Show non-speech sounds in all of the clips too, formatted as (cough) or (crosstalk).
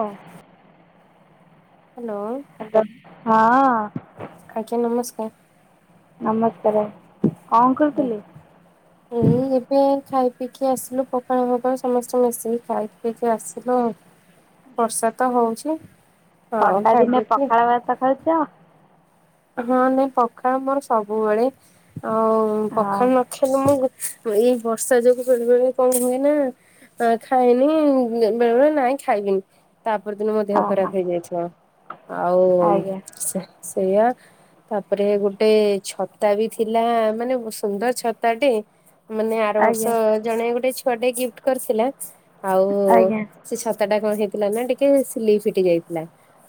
ଓ hello. Hello. ଆଜ୍ଞା, ନମସ୍କାର୍। ନମସ୍କାର, କଣ କରୁଥିଲେ? ଏଇ ଏବେ ଖାଇ ପିଇକି ଆସିଲୁ ପଖାଳ ଫଖାଳ ସମସ୍ତେ ମିସିକି ଖାଇ ପିଇକି ଆସିଲୁ ଆଉ। ବର୍ଷା ତ ହଉଛି। ଆଉ ଥଣ୍ଡା ଖାଇ ଦିନେ ପିଇକି ପଖାଳ ଭାତ ଖାଉଚ? ହଁ ନାଇଁ ପଖାଳ ମୋର ସବୁବେଳେ, ଆଉ ହଁ ପଖାଳ ନ (unintelligible) ମୁଁ ଏଇ ବର୍ଷା ଯୋଗୁ ବେଳେ-ବେଳେ କଣ ହୁଏନା (unintelligible) ଖାଏନି ବେଳେ-ବଳେ ନାଇଁ ଖାଇବିନି। ତା ପରଦିନ ମୋ ଦେହ ଓହୋ ଖରାପ୍ ହେଇଯାଇଥିବ, ଆଉ ଆଜ୍ଞା ସେ ସେଇଆ। ତାପରେ ଗୋଟେ ଛତା ବି ଥିଲା ମାନେ ସୁନ୍ଦର୍ ଛତାଟେ। ମାନେ ଆର ଆଜ୍ଞା ବର୍ଷ ଜଣେ ଗୋଟେ ଛୁଆଟେ ଗିଫ୍ଟ କରିଥିଲା, ଆଉ ଆଜ୍ଞା ସେ ଛତାଟା କଣ ହେଇଥିଲା ନା ଟିକେ ସିଲେଇ ଫିଟି ଯାଇଥିଲା,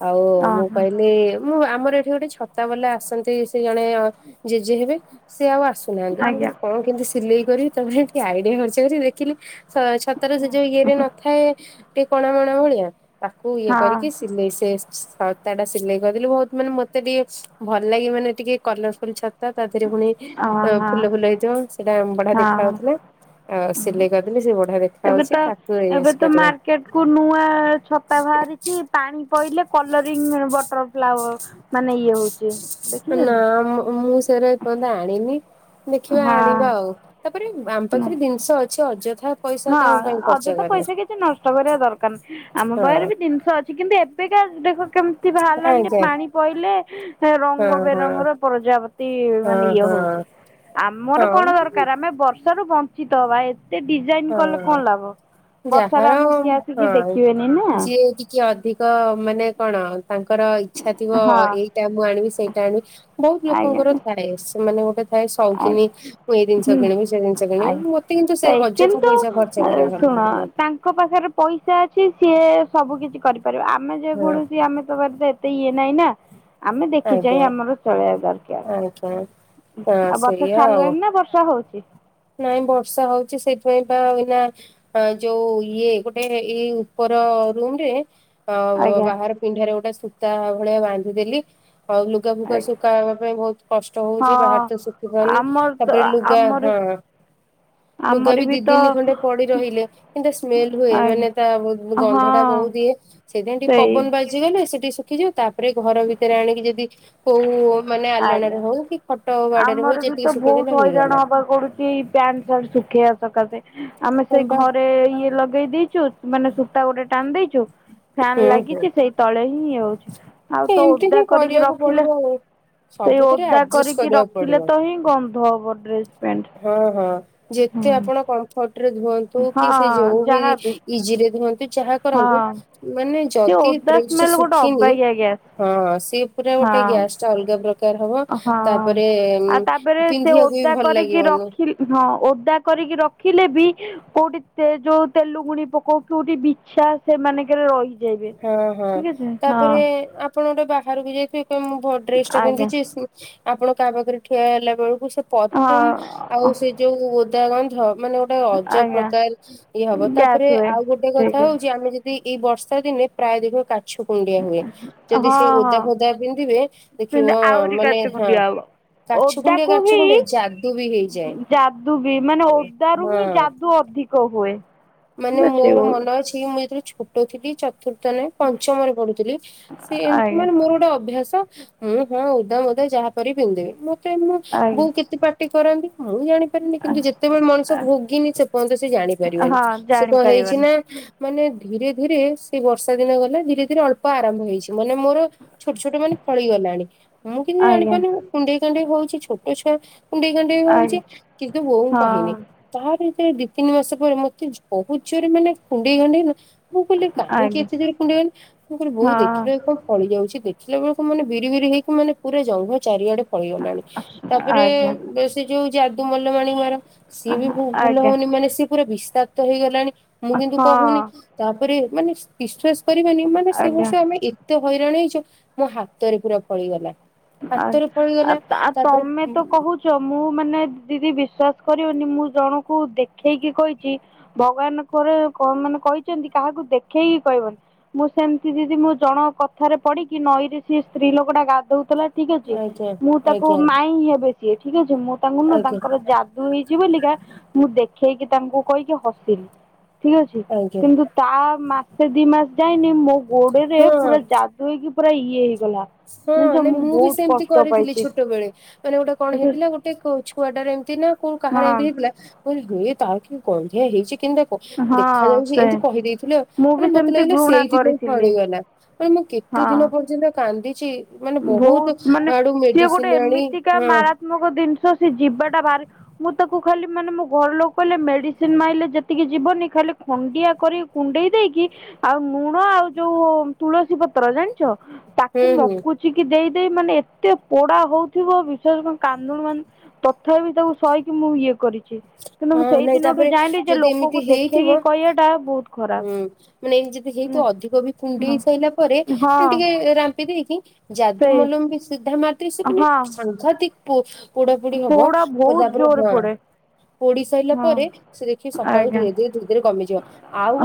ଆଉ ମୁଁ ଓହୋ କହିଲି ମୁଁ ଆମର ଏଠି ଗୋଟେ ଛତା ବାଲା ଆସନ୍ତି ସେ ଜଣେ ଜେଜେ ହେବେ, ସେ ଆଉ ଆସୁ ନାହାନ୍ତି, ମୁଁ ଆଜ୍ଞା କହିଲ କଣ କେମ୍ତି ସିଲେଇ କରିବି ତାପରେ ଟିକେ ଆଇଡିଆ ଖର୍ଚ୍ଚ କରି ଦେଖିଲି ତ ଛତାର ସେ ଯୋଉ ଇଏରେ ନଥାଏ ଟିକେ କଣା ମଣା ଭଳିଆ, ତାକୁ ଇଏ ହଁ କରିକି ସିଲେଇ ସେ ଛତାଟା ସିଲେଇ କରିଦେଲି ବହୁତ୍ ମାନେ ମତେ ଟିକେ ଭଲ୍ ଲାଗେ ମାନେ ଟିକେ କଲର୍ ଫୁଲ୍ ଛାତାଟା ତା ଧେରେ ପୁଣି ହଁ ଫୁଲ-ଫୁଲ ହେଇଥିବ। ସେଇଟା ବଢିଆ ଦେଖା ହଁ ହଉଥିଲା ଆଉ ହଁ। ସିଲେଇ କରିଦେଲି ସେ ବଢିଆ ଦେଖା ଏବେ ହାଉଛି ତ ତାକୁ ୟୁଜ ଏବେ ତ କରିବା ମାର୍କେଟ୍ କୁ ନୂଆ ଛତା ଭାରିଚି। ପାଣି ପଇଲେ କଲରିଂ ବଟର୍ (unintelligible) ନାଁ ମୁଁ (unintelligible) (unintelligible) ଆଣିନି ଦେଖିବା ଆଣିବା ଆଉ, ତାପରେ ଆମ ହଁ। ପାଖେରେ ଜିନିଷ ଅଛି ଅଯଥା ପଇସା ହଁ କଣ ପାଇଁ ଖର୍ଚ୍ଚ ଅଯଥା କରିବା। ପଇସା କିଛି ନଷ୍ଟ କରିବା ଦରକାର ନାହିଁ, ଆମ ପାଖେରେ ହଁ ବି ଜିନିଷ ଅଛି କିନ୍ତୁ ଏ ବେକା ଦେଖ କେମ୍ତି ବାହାରିଲାଣି ଯେ ଆଜ୍ଞା ପାଣି ପଇଲେ ରଙ୍ଗ ହଁ ହଁ ବେରଙ୍ଗର ପ୍ରଜାପ (unintelligible) ହଁ ମାନେ ଇଏ ହଉଚି ହଁ। ଆମର କଣ ହଁ ଦରକାର୍ ଆମେ ବର୍ଷା ରୁ ବ ଞ୍ଚିତ ହବା, ଏତେ ଡିଜାଇନ୍ କଲେ କଣ ହଁ ଲାଭ, ବର୍ଷାରେ ଯାହାର ଆମୁକୁ କିଏ ଆସିକି ଦେଖିବେନି ନା। କି ଅଧିକ ମାନେ କଣ ତାଙ୍କର ଇଚ୍ଛା ଥିବ ହଁ ଏଇଟା ମୁଁ ଆଣିବି ସେଇଟା ଆଣିବି ବହୁତ୍ ଆଜ୍ଞା ଲୋକଙ୍କର (unintelligible) ସେମାନେ ଗୋଟେ ଥାଏ ସଉକିନି ଆଜ୍ଞା ମୁଁ ଏଇ ଜିନିଷ ହୁଁ। କିଣିବି ସେ ଜିନିଷ କିଣିବି ମୋତେ କିନ୍ତୁ ସେ ଅଯଥା ତ ପଇସା ଖର୍ଚ୍ଚ କରିବା ଭଲ ଶୁଣ ତା ଲାଗେନି ତାଙ୍କ ପାଖେରେ ପଇସା ଅଛି ସିଏ ସବୁ କିିଛି କରିପାରିବ, ଆମେ ହଁ ଯେକୌଣସି ଆମେ ତ (unintelligible) ତେ ଇଏ ନାଇଁ ନା, ଆମେ ଦେଖି ଚାହିଁ ଆଜ୍ଞା। ଆମର (unintelligible) ଦରକାର୍। ଆଜ୍ଞା। ହଁ ସେଇଆ ଆଉ। ଛାଡିଲାଣି ନା ବର୍ଷା ହଉଛି ହଁ ଯୋଉ ଇଏ ଗୋଟେ ଏଇ ଉପର ରୁମ୍ ରେ ଆଉ ଆଜ୍ଞା ବାହାର ପିନ୍ଢାରେ ଗୋଟେ ସୂତା ଭଳିଆ ବାନ୍ଧିଦେଲି, ଆଉ ଲୁ ଗା ଫୁଗା ଆଜ୍ଞା ଶୁକା ହବା ପାଇଁ ଭଉତ୍ କଷ୍ଟ ହଉଚି ବାହାରେ ହଁ ତ ଶୁକି ପାରୁନି ଆମର ତ ତାପରେ ଲୁଗା ଆମର ହଁ। ଲୁଗା ବି ଆମର ଦି ତ ଦିନି ଖଣ୍ଡେ ପଡି ରହିଲେ କିନ୍ତତା ସ୍ମେଲ ହୁଏ ଆଜ୍ଞା ମାନେ ତା ହଁ ଗନ୍ଧଟା ବହୁତ ଦିଏ। ସେଇଦିନ ଟିକେ ସେଇ ପବନ ବାଜିଗଲେ ସେଠି ଶୁଖିଯିବ ତାପରେ ଘର ଭିତରେ ଆଣିକି ଯଦି କୋଉ ମାନେ ଆଜ୍ଞା ଆଲଣରେ ହଉ କି ଖଟ ବାଡରେ ହଉ ଯେତିକି ଶୁଖେଇଦେଲେ ହେଇଗଲା। କି ପ୍ୟାଣ୍ଟ ସାର୍ଟ ଶୁଖେଇବା ସକାଶେ ଆମେ ହଁ ସେଇ ବା ଘରେ ଇଏ ଲଗେଇ ଦେଇ ଚୁ ମାନେ ସୂତା ଗୋଟେ ଟାଣି ଦେଇଚୁ। ଫ୍ୟାନ ହୁଁ ହୁଁ ଲାଗିଛି ସେଇ ତଳେ ହିଁ ହଉଛି ଆଉ ତୋ ଏମିତି ହିଁ ଓଦା କରିକି କରିବାକୁ ପଡିବ ରଖିଲେ। ଆଉ। ସେଇ ସବୁଥିରେ ଓଦା ଆଡଜଷ୍ଟ କରିକି କରିବାକୁ ପଡିବ ରଖିଲେ ତ ହିଁ ଗନ୍ଧ ହବ ଡ୍ରେସ ପ୍ୟାଣ୍ଟ। ହଁ ହଁ ଯେତେ ଆପଣ ହଁ କମ୍ଫର୍ଟରେ ଧୁଅ କି ସେ ହଁ ଯୋଉ ବି ଯାହାବି ଇଜିରେ ଧୁଅନ୍ତୁ ଯାହା କରନ୍ତୁ ହଁ ମାନେ। ସେ ଯଦି ଓଦା ଡ୍ରେସ ଟା ସ୍ମେଲ ଗୋଟେ ଶୁଖିନି ଅବାଗିଆ ଗ୍ୟାସ୍ ହଁ ସି ପୁରା ଗୋଟେ ହଁ ଗ୍ୟାସ୍ଟା ଅଲଗା ପ୍ରକା କାର ହବ ହଁ ତାପରେ ଆଉ ତାପରେ ସେ ପିନ୍ଧିବାକୁ ବି ଓଦା ଭଲ କରିକି ଲାଗିବନି। ରଖି ହଁ ଓଦା କରିକି ରଖିଲେ ବି? କୋଉଠି ଯୋଉ ତେଲୁଗୁଣି ପକଉ କୋଉଠି ବିଛା ସେମାନଙ୍କରେ ରହି ହଁ ହଁ ତାପରେ ଆ ଆପଣ ଗୋଟେ ବାହାରକୁ ଯାଇଥିବେ କ ମୁଁ ଡ୍ରେସ ଟା ଆଜ୍ଞା ପିନ୍ଧିଛି ଆପଣ କା ପାଖରେ ଠିଆ ହେଲା ବେଳକୁ ସେ ପରଫ୍ୟୁମ ଆଉ ହଁ ସେ ଯୋଉ ଓଦା ଗନ୍ଧ ମାନେ ଗୋଟେ ଅଜବ ଆଜ୍ଞା। ପ୍ରକାର ଇଏ ହବ ଗ୍ୟାସ୍ ତାପରେ ହୁଏ ଆଉ ଗୋଟେ କଥା ଠିକ ହଉଛି ଆମେ ଯଦି ଏଇ ବ ଦିନେ ପ୍ରାୟ ଦେଖିବ କା ଛୁ କୁଣ୍ଡିଆ ହୁଏ। ଯଦି ହଁ ସେ ହଁ ଓଦା ଫଦା ପିନ୍ଧିବେ କିନ୍ତୁ ଦେଖିବ ଆହୁରି କାଚ ମାନେ ହ କୁଣ୍ଡିଆ ହବ। ଓଦାକୁ ହିଁ ବି ହେଇଯାଏ। ଯାଦୁ ବି ମାନେ ଓଦାରୁ ହିଁ ହଁ ଯାଦୁ ଅଧି କ ହୁଏ। ଠିକ ମାନେ ଅଛି ଓ ମୋର ମନ ଅଛି ମୁଁ ଯେତେବେଳେ ଛୋଟ ଥିଲି ଚ ଚତୁର୍ଥ ନା ପଞ୍ଚମରେ ପଢୁଥିଲି। ସେ ଏମିତି ଆଜ୍ଞା ମାନେ ମୋର ଗୋଟେ ଅଭ୍ୟାସ। ହଁ ହଁ ଓଦା ମଦା ଯାହାପରିବି ପିନ୍ଧିଦେବି ମତେ ମୁଁ ବୋଉ କେତେ ପାର୍ଟି କରନ୍ତି ମୁଁ ଜାଣି। କିନ୍ତୁ ଆଜ୍ଞା। ଯେତେବେଳେ ମଣିଷ ଭୋଗିନି ସେ ପର୍ଯ୍ୟନ୍ତ ସେ ଜାଣିପାରିବନି। ହଁ ସେ କଣ ହେଇଛି ଜାଣିପାରିବନି ନା ମାନେ ଧୀରେ ଧୀରେ ସେଇ ବର୍ଷା ଦିନ ଗଲା। ଧୀରେ ଧୀରେ ଅଳ୍ପ ଆରମ୍ଭ ହେଇଛି। ମାନେ ମୋର ଛୋଟ ଛୋଟ ମାନେ ଫଳି ଗଲାଣି ମୁଁ କିନ୍ତୁ ଆଜ୍ଞା ଜାଣିପାରୁନି। କୁଣ୍ଡେଇ କାଣ୍ଡେଇ ହଉଛି ଛୋଟ ଛୁଆ କୁଣ୍ଡେଇ କାଣ୍ଡେଇ ହଉଛି ଆଜ୍ଞା କିନ୍ତୁ ବୋଉ ମୁ କହିନି। ହଁ ତାେ ଦି ତିନି ମାସ ପରେ ମତେ ବହୁତ ଜୋରରେ ମାନେ କୁଣ୍ଡେଇ କୁଣ୍ଡେଇ ହେଲା। ମୁଁ କହିଲି କାହିଁକି ଆଜ୍ଞା ଏତେ ଦୂର କୁଣ୍ଡଗଲି। ମୁଁ କହିଲି ବଉ ହଁ ଦେଖିଲୁ ଏ ଆଜ୍ଞା କଣ ଫଳି ଯାଉଛି ଦେଖ ଦେଖିଲା ବେଳକୁ ମାନେ ବିରି ବିରି ହେଇକି ମାନେ ପୁରା ଜଙ୍ଘ ଚାରିଆଡେ ଫଳିଗଲାଣି। ତାପରେ ଆଜ୍ଞା ବ୍ୟ ସେ ଯୋଉ ଯାଦୁ ମଲମ ଆଣି ମାରନ୍ତି, ସିଏ ବି ଭଲ ହଉନି ମାନେ ସିଏ ପୁରା ବିଷାକ୍ତ ହେଇଗଲାଣି। ମୁଁ କିନ୍ତୁ ହଁ କହୁନି ତାପରେ ମାନେ ବିଶ୍ଵାସ କରିବେନି ମାନେ ସେ ଆଜ୍ଞା ବର୍ଷ ଆମେ ଏ ତେ ହଇରାଣ ହେଇଛୁ ମୋ ହାତରେ ପୁରା ଫଳିଗଲା। ଆ ହାତରେ ଆ ଫଳିଗଲା ତା ତାପରେ ତମେ ତ କହୁଛ ମୁଁ ମାନେ ଦିଦି ବିଶ୍ୱାସ କରିବନି ମୁଁ ଜଣଙ୍କୁ ଦେଖେଇକି କହିଛି। ଭଗବାନ କୋରେ ମାନେ କହିଛନ୍ତି କାହାକୁ ଦେଖେଇକି କହିବନି। ମୁଁ ସେମିତି ଦିଦି ମୁଁ ଜଣ କଥାରେ ପଢିକି ନଈରେ ସିଏ ସ୍ତ୍ରୀ ଲୋକ ଟା ଗାଧଉ ଠିକ ଅଛି ଆଜ୍ଞା ମୁଁ ତାକୁ ଆଜ୍ଞା ମାଇ ହିଁ ହେବେ ସିଏ ଠିକ ଅଛି ମୁଁ ତାଙ୍କୁ ନୁହ ଆଜ୍ଞା ତାଙ୍କର ଯା ଦୁ ହେଇଛି ବୋଲିକା ମୁଁ ଦେଖେଇକି ତାଙ୍କୁ କହିକି ହସିଲି। ଠିକ ଅଛି ଆଜ୍ଞା। କିନ୍ତୁ ତା ମାସେ ଦି ମାସ ଯାଇନି ମୋ ଗୋଡରେ ହଁ ପୁରା ଯା ଦୁ ହାଇକି ପୁରା ଇଏ ହେଇଗଲା। ହଁ ଜାଣିଛ ନାଇଁ ମୁଁ ବି ବହୁତ ସେମିତି କଷ୍ଟ କରିଥିଲି ପାଇଛି ଛୋଟବେଳେ। ମାନେ ଗୋଟେ କଣ ଠିକ୍ ଅଛି ହେଇଥିଲା ଗୋଟେ ଛୁଆଟାରେ ଏମିତି ନା କୋଉ କାହାର ହଁ। ଏମିତି ହେଇଥିଲା? ମୁଁ କହିଲି ହେ ତାର କି ଗନ୍ଧିଆ ହେଇଛି କେନ୍ତା କ ହଁ ଦୁଃଖ ଲାଗୁଚି, ସେ ଏମିତି କହି ଦେଇଥିଲି ଆଉ ମୁଁ ବି ମାନେ ମତେ ସେମିତି ଲାଗିଲା ଘୃଣା ସେଇଥିପାଇଁ କରିଥିଲି ପଳେଇଆଇଲା। ମାନେ, ମୁଁ କେତେ ହଁ। ଦିନ ପର୍ଯ୍ୟନ୍ତ କାନ୍ଦିଚି? ମାନେ ବହୁତ ଆଡୁ ମେଡିସିନ୍ ଆଣି, ହଁ। ସେ ଜିନିଷ ସେ ଯିବାଟା ଭାରି ମୁଁ ତାକୁ ଖାଲି ମାନେ ମୋ ଘର ଲୋକ କହିଲେ ମେଡିସିନ୍ ମାଇଲେ ଯେତିକି ଯିବନି, ଖାଲି ଖଣ୍ଡିଆ କରି କୁଣ୍ଡେଇ ଦେଇକି ଆଉ ଲୁଣ ଆଉ ଯୋଉ ତୁଳସୀ ପତ୍ର ଜାଣିଛ ତାକୁ ହୁଁ ହୁଁ ପୋଛିକି ଦେଇ ଦେଇ ମାନେ ଏତେ ପୋଡା ହଉଥିବ, ବିଶ୍ୱାସ କାନ୍ଦୁଳୁ ମା ତଥାପି ତାକୁ ସହିକି ମୁଁ ଇଏ କରେ। ହଁ ମୁଁ ସେଇ ନାଇଁ ଦିନଠୁ ତାପରେ ଜାଣିଲି, ଯେ ଯଦି ଏମିତି ଲୋକଙ୍କୁ ଦେଖେଇକି ହେଇଥିବ କହିବା ଟା ବହୁତ ଖରାପ। ହୁଁ, ମାନେ ଏଇ ଜିଗୁ ହଁ ସହିତ ଅଧିକ ବି କୁଣ୍ଡେଇ ସାରିଲା ପରେ, ହଁ ଏମିତି ଟିକେ ରାମ୍ପି ଦେଇକି ଯାଦୁ ସେଇ ମଲମ ବି ସିଧା ମାର୍ ହଁ (unintelligible) ସାଂଘାତିକ। ପୋଡା ପୋଡି ହବ। ପୋଡା ବହୁତ ତା ପରେ ଜୋରରେ ହଁ ପୋଡେ ପୋଡି ସାଇଲା ହଁ ପରେ ସେ ଦେଖିବ, ସକାଳୁ ଆଜ୍ଞା ଧିରେ ଧିରେ ଧିରେ ଧିରେ କମିଯିବ।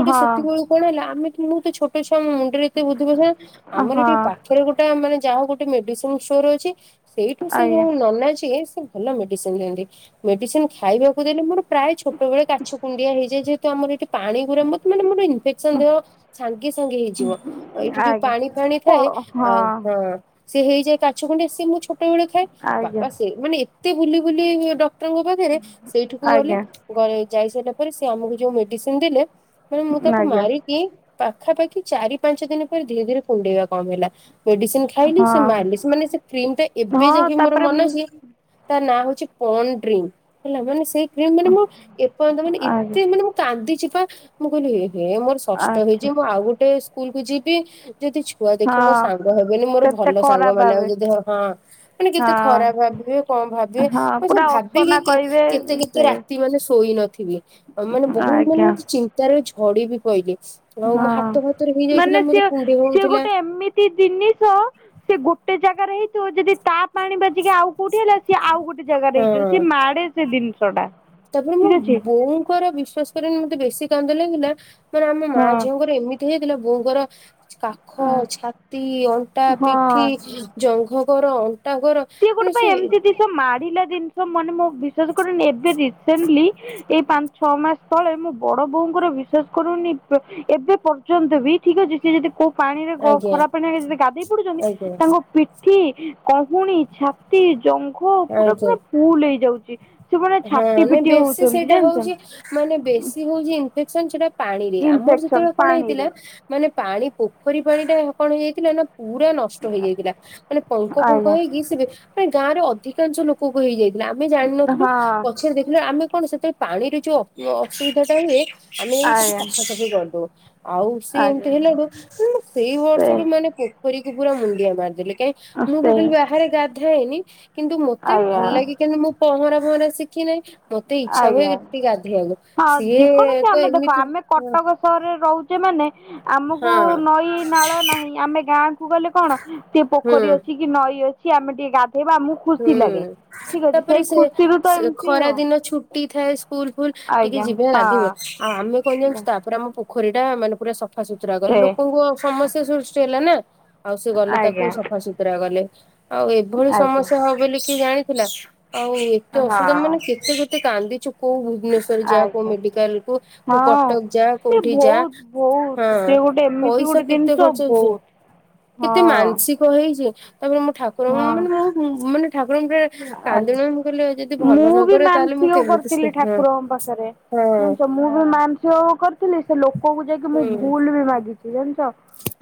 ହଁ ପୁଣି କଣ ହେଲା, ଆମେ କି ମୁଁ ତ ଛୋଟ ଛୁଆ, ମୋ ମୁଣ୍ଡରେ ଏତେ ବୁଦ୍ଧି ପଶିଲାନି। ଆମର ହଁ ଏଠି ପା ପାଖରେ ଗୋଟେ ମାନେ ଯାହା ହଉ ଗୋଟେ ମେଡିସିନ୍ ଷ୍ଟୋର ଅଛି। ସେଇଠୁ ସେ ଆଜ୍ଞା ଯୋଉ ନନା ଯିଏ ଭଲ ମେଡିସିନ୍ ଦିଅନ୍ତି। ମେଡିସିନ୍ ଖାଇବାକୁ ଦେଲେ ମୋର ପ୍ରାୟ ଛୋଟବେଳେ କାଛୁ କୁଣ୍ଡିଆ ହେଇଯାଏ, ଯେହେତୁ ଆମର ଏଠି ପାଣି ମୋର ମା-ମାନେ ମୋର ଇନ୍ଫେକ୍ସନ୍ ଦେହ ସାଙ୍ଗେ ସାଙ୍ଗେ ହେଇଯିବ। ଏଇଠି ଯୋଉ ଆଜ୍ଞା ପାଣି ଫାଣି ଥାଏ, ଆଉ ହଁ ସେ ହେଇଯାଏ କାଛୁ କୁଣ୍ଡିଆ, ସିଏ ମୁଁ ଛୋଟବେଳେ ଖାଏ। ଆଜ୍ଞା ବାପା ସେ ମାନେ ଏତେ ବୁଲି ବୁଲି ଡ ଡକ୍ଟରଙ୍କ ପାଖରେ ସେଇଠିକୁ ଗଲେ, ଆଜ୍ଞା ଯାଇସାରିଲା ପରେ ସେ ଆମକୁ ଯୋଉ ମେଡିସିନ୍ ଦେଲେ ମାନେ ମୁଁ ତାକୁ ଆଜ୍ଞା ମାରିି କି ପାଖାପାଖି ଚାରି ପାଞ୍ଚ ଦିନ ପରେ ଧିରେ ଧିରେ କୁଣ୍ଡେଇବା କମିଲା। ମେଡିସିନ୍ ଖାଇଲି ହଁ ସେ ମାରିଲି। ସେ ମାନେ ସେ କ୍ରିମଟା ଏବେ ହଁ ଯାଙ୍କେ ମୋର ତାପରେ ମନେ ମୁଁ ଅଛି। ତା ନାଁ ହଉଛି ପନ୍ ଡ୍ରିମ୍, ହେଲା ମାନେ ସେଇ କ୍ରିମ୍ ମାନେ ମୁଁ ଏପର୍ଯ୍ୟନ୍ତ ମାନେ ଆଜ୍ଞା ଇଚିଂ ମାନେ ମୁଁ କାନ୍ଦିଛି ବା। ମୁଁ କହିଲି ଏ ହେ ମୋର ଷଷ୍ଠ ଆଚ୍ଛା ହେଇଛି, ମୁଁ ଆଉ ଗୋଟେ ସ୍କୁଲକୁ ଯିବି ଯଦି ଛୁଆ ଦେଖିବେ, ମୋ ହଁ ସାଙ୍ଗ ହେବେନି, ମୋର କେତେ ଭଲ ସାଙ୍ଗ ଖରାପ ମାନେ ଆଉ ଭାବେ ଯଦି ହଁ ମାନେ କେତେ ହଁ ଖରାପ ଭାବିବେ କଣ ଭାବିବେ? ହଁ ମୁଁ ସବୁ ପୁରା ଭାବିକି ଅସନା କହିବେ କେ-କେତେ କେତେ ସେ ରାତି ମାନେ ଶୋଇ ନଥିବେ। ମାନେ ବହୁ ମାନେ ଆଜ୍ଞା ଚିନ୍ତାରେ ଝଡି ବି ପଇଲି। ଆଉ ମୋ ହଁ ହାତ ଫାତରେ ହେଇ ଯାଇଥିଲା, ମୋର କୁଣ୍ଡେଇ ହଉଥିଲା। ସେ ଜିନିଷ ସେ ଗୋଟେ ଜାଗାରେ ହେଇଥିବ, ଯଦି ତା ପାଣି ବାଜିକି ଆଉ କୋଉଠି ହେଲା, ସିଏ ଆଉ ଗୋଟେ ଜାଗାରେ ହେଇଯିବ। ତା ପରେ ମୋ ଠିକ ଅଛି ବୋଉଙ୍କର ବିଶ୍ୱାସ କରବନି, ମତେ ବେଶି କାନ୍ଦ ଲାଗିଲା, ମାନେ ଆମ ମା ହଁ ଝିଅଙ୍କର ଏମି ତି ହେଇଥିଲା। ବୋଉଙ୍କର କାଖ, ଛାତି, ଅଣ୍ଟା, ପିଠି ହଁ। ଜଙ୍ଘ କର, ଅଣ୍ଟା କର ସିଏ ଗୋଟେ ମାନେ ପାଇଁ ସେ ଏମ୍ତି ଜିନିଷ ମାଡିଲା ଜିନିଷ, ମାନେ ମୋ ବିଶ୍ୱାସ କରିବୁନି ଏବେ ରିସେଣ୍ଟଲି ଏଇ ପାଞ୍ଚ୍ ଛଅ ମାସ ତଳେ ମୋ ବଡ ବୋଉଙ୍କର ବିଶ୍ଵାସ କରୁବୁନି, ଏବେ ପର୍ ଯନ୍ତ ବି ଠିକ୍ ଅଛି, ସେ ଯଦି ପାଣିରେ ଆଜ୍ଞା ଖ-ଖରାପ ପାଣିରେ ଯଦି ଗାଧେଇ ପୁଡୁଛନ୍ତି, ଆଜ୍ଞା ତାଙ୍କ ପିଠି, କହୁଣୀ ଛା ଏ ଜଙ୍ଘ ପୁରା ଆଜ୍ଞା ପୁରା ଫୁଲ୍ ହେଇଯାଉଚି। ହଁ, ନାଇଁ ବେଶି ସେଇଟା ହଉଛି। ମାନେ ବେଶି ହଉଛି ଇନ୍ଫେକ୍ସନ୍ ସେଟା ପାଣିରେ, ଆମର ଇନଫେକ୍ସନ ସେତେବେଳେ କଣ ହେଇଥିଲା ପାଣିରେ ମାନେ ପାଣି ପୋଖରୀ ପାଣି ଟା କଣ ହେଇଯାଇଥିଲା ନା ପୁରା ନ ଷ୍ଟ ହେଇ ଯାଇଥିଲା, ମାନେ ପଙ୍କ ଫଙ୍କ ଆଜ୍ଞା ହେଇକି ସେ ଗାଁରେ ଅଧିକାଂଶ ଲୋ ପୋକୁ ହେଇଯାଇଥିଲା ଆମେ ଜାଣିନଥିଲୁ ହଁ ପଛରେ ଦେଖିଲେ ଆମେ କଣ ସେତୋଳେ ପାଣିରେ ଯୋଉ ଅ ଅସୁବିଧାଟା ହୁଏ ଆମେ ଯାଇଁକି ସେଠି ଆଜ୍ଞା ସଫାସଫି କରୁଦୋଉ। ଆଉ ସିଏ ଏମତି ଆଜ୍ଞା ହେଲାଠୁ (unintelligible) ସେଇ ସେ ବର୍ଷଠୁ ମାନେ ପୋଖରୀକୁ ପୁରା ମୁଣ୍ଡିଆ ମାରିେଲେ କାଇଁ ମୁଁ ସେ ଟୋଟାଲି ବାହାରେ ଗାଧାଏନି କିନ୍ତୁ ମତେ ଆଜ୍ଞା ଭଲ ଲାଗେ କିନ୍ତୁ ମୁଁ ପହଁରା ପହଁରା ଶି ଖିନେଇ ମତେ ନାଇଁ ମତେ ଇଚ୍ଛା ହୁଏ ଆଜ୍ଞା ଟିକେ ଗାଧେଇବାକୁ ହଁ ସିଏ ଯେକୌଣସି ତ ଆମେ ଦେଖ ଏମିତି ଆମେ କଟକ ସହରରେ ରହୁଚେ ମାନେ ଆମକୁ ହଁ ନଈ ନାଳ ନାହିଁ ଆମେ ଗାଁ କୁ ଗଲେ କଣ ଟିକେ ହୁଁ ପୋଖରୀ ଅଛି କି ନଈ ଅଛି ଆମେ ଟିକେ ଗାଧେଇବା ଆମକୁ ଖୁସି ଲାଗେ ହୁଁ ଠିକ ଅଛି ତାପରେ ସେଇ ସେ ଖୁସିରୁ ତ ସେ ଏମତି ଖରା ଆଉ। ଦିନ ଛୁଟି ଥାଏ ସ୍କୁଲ ଫୁଲ ଟିକେ ଆଜ୍ଞା ଯିବ ଗାଧେଇବ ହଁ ଆଉ ଆମେ କଣ ଜାଣିଚୁ ତାପରେ ଆମ ପୋ ପୋଖରୀଟା ମାନେ ପୁରା ସ ସଫାସତୁରା କଲେ ସେ ଲୋକଙ୍କୁ ଆଉ ସମସ୍ୟା ସୃଷ୍ଟି ହେଲା ନା ଆଉ ସେ ଗଲେ ତାକୁ ଆଜ୍ଞା ସଫାସୁ ତୁରା କଲେ ଆଉ ଏଭଳି ଆଜ୍ଞା ସମସ୍ୟା ହବ ବୋଲି କିଏ ଜାଣିଥିଲା ଆଉ ଏ ଏତେ ଅସୁବିଧା ହଁ ମାନେ କେତେ କେତେ କାନ୍ଦିଚୁ କୋଉ ଭୁବନେଶ୍ୱରଯାଆ କୋଉ ଆଜ୍ଞା ମେଡିକାଲକୁ କୋଉ ହଁ କଟକ ଯାଆ ସେ କୋଉଠି ଯାଆ ବହୁତ ବହୁତ ସେ ଗୋଟେ ହଁ ଏମିତି ପଇସା ଗୋଟେ କେତେ ଜିନିଷ ଖର୍ଚ୍ଚ ହୋଉଚି ସେରା ବହୁତ ହଁ କେତେ ମାନସିକ କ ହେଇଚି ତାପରେ ମୁଁ ଠାକୁରଙ୍କୁ ହଁ ମାନେ ଭାବ ମାନେ ଠାକୁରଙ୍କ କିଏ ଆଜ୍ଞା କାନ୍ଦିଲି ମୁଁ କହିଲି ଆଉ ଯଦି ଭଲ ମୁଁ ବି ନକରିବ ତାହାଲେ ମୁଁ ମାନସିକ କେମିତି ଶିଘ୍ର ମୁଁ ତ ମୁଁ ବି ମାନସିକ କରିଥିଲି ସେ ଲୋକକୁ ଯାଇକି ମୁଁ ହୁଁ ଭୁଲ ବି ମାଗି ଜାଣିଚ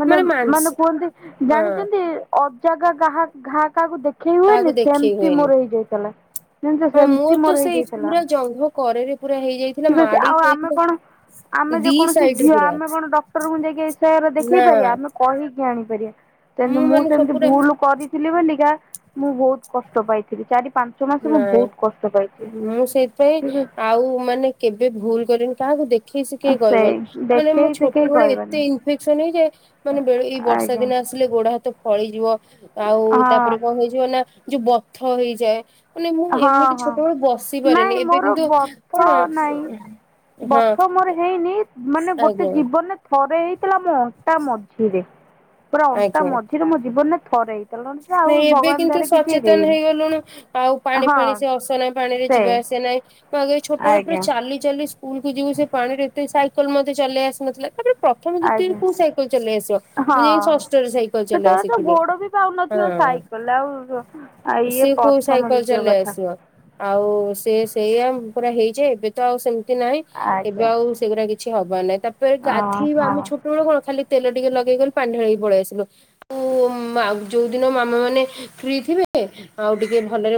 ମାନେ ମାନେ କୁହନ୍ତି ହଁ ଜାଣିଚନ୍ତି ଅଜାଗା କାହା ଘା କାହାକୁ ଦେଖେଇ କାହାକୁ ହୁଏନି ଦେଖେଇ ସେମତି ହୁଏନି। ମୋର ହେଇଯାଇଥିଲା। ଜାଣିଛ ହଁ ସେମିତି ମୋର ତ ସେଇ ହେଇଯାଇଥିଲା ପୁରା ଜଙ୍ଘ କରରେ ପୁରା ହେଇଯାଇ ଠିକ ଅଛି ଆଉ ଆମେ କଣ ଆମେ ଦି ଯେକୌଣସି ସାଇଡରେ ଝିଅ ପୁରା ଆମେ କଣ ଡକ୍ଟରଙ୍କୁ ଯାଇକି ଏହାର ଦେଖେଇ ନା ପାରିବା ଆମେ କହିକି ଆଣିପାରିବା। ତେଣୁ ମୁଁ ମାନେ ସବୁ ସେମତି ପୁରା ଭୁଲ କରିଥିଲି ବୋଲିକା ମୁଁ ବୋହୁତ କଷ୍ଟ ପାଇଥିଲି ଚାରି ପାଞ୍ଚ ମାସ ମୁଁ ନାଇଁ ବହୁତ କଷ୍ଟ ପାଇଛି। ମୁଁ ସେଇଥିପାଇଁ ଠିକ ଅଛି ଆଉ ମାନେ କେବେ ଭୁଲ କରେନି କାହାକୁ ଦେଖ ଖେଇ ଆ ଶିଖେଇ ସେଇ କହିବନି ମାନେ ମୋ ଦେଖେଇ ଶିଖେଇ ଛୋଟବେଳେ କହିବନି ଏତେ ଇନ୍ ଇନଫେକ୍ସନ ହେଇଯାଏ ଯେ ମାନେ ବେଳେ ଏଇ ବର୍ଷା ଆଜ୍ଞା ଦିନ ଆସିଲେ ଗୋଡା ହାତ ଫଳିଯିବ ଆଉ ହଁ ତାପରେ କଣ ହେଇଯିବ ନା ଯୋଉ ବଥ ହେଇଯାଏ। ମାନେ ମୁଁ ହଁ ଏମିତି ହଁ ଛୋଟବେଳୁ ବସି ପାରେନି ନାଇଁ ଏବେ ମୋର କିନ୍ତୁ ବଥ କଣ ନାଇଁ ହଁ ବଥ ମୋର ହେଇନି ମାନେ ଗୋଟେ ଆଜ୍ଞା ଜୀବନରେ ଥରେ ହେଇଥିଲା ମୋ ଅଣ୍ଟା ମଝିରେ ପୁରା ଅଣ୍ଟା ଆଜ୍ଞା। ମଝିରେ ମୋ ଜୀବନରେ ଥରେ ହେଇ ନାଇଁ ଏବେ କିନ୍ତୁ ସଚେତନ ହେଇଗଲୁଣି ଆଉ ପାଣି ହଁ ଫାଣି ସେ ଅସନା ପାଣିରେ ସେ ଯିବା ଆସିବା ନାହିଁ ମୁଁ ଆଗରୁ ଛୋଟବେେଳେ ପୁରା ଆଜ୍ଞା ଚାଲି ଚାଲି ସ୍କୁଲକୁ ଯିବୁ ସେ ପାଣିରେ ଏତେ ସାଇକେଲ ମତେ ଚଲେଇ ଆସିନଥିଲା ତାପରେ ପ୍ର ପ୍ରଥମ ଦ୍ବିତୀୟରେ ଆଜ୍ଞା କୋଉ ସାଇକେଲ ଚଲେଇ ଆସିବ ହଁ ମୁଁ ଯାଇ ଷଷ୍ଠରେ ସାଇକେଲ ଚଲେଇ ସେତେବେଳେ ତ ଶିଖିଲି। ଗୋଡ ବି ପାଉନଥିବ ହଁ। ସାଇକଲ ଆଉ ଆ ଇଏ ସିଏ କୋଉ ପ୍ରଥମ ସାଇକେଲ ଦ୍ଵିତୀୟ ଚଲେଇ କଥା ଆସିବ। ଆଉ ସେ ସେଇଆ ପୁରା ହେଇଯାଏ ଏବେ ତ ଆଉ ସେମିତି ନାହିଁ ଏବେ ଆଜ୍ଞା ଆଉ ସେଗୁରା କିଛି ହବାର ନାହିଁ ତାପରେ ଅ ଗାଧେଇବା ହଁ ଆମେ ଛୋ ଟ ବେଳେ କଣ ଖାଲି ତେଲ ଟିକେ ଲଗେଇକି ଗଲୁ ଖାଲି ପାଣି ଢାଳିହେଇକି ପଳେଇ ଆସିଲୁ ଉଁମ ଆଉ ଯୋଉ ଦିନ ମାମାମାନେ ଫ୍ରି ଥିବେ ଆଉ ଟିକେ ଭଲରେ